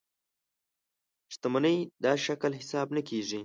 شتمنۍ دا شکل حساب نه کېږي.